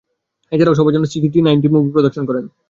এছাড়াও সবার জন্য six D, nine D movie প্রদর্শন করা হয়েছে।